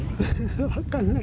分かんない。